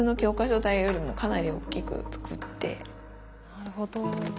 なるほど。